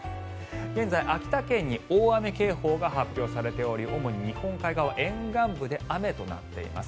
現在、秋田県に大雨警報が発表されており主に日本海側沿岸部で雨となっています。